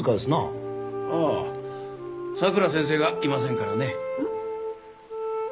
ああさくら先生がいませんからね。